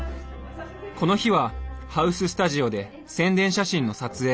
この日はハウススタジオで宣伝写真の撮影。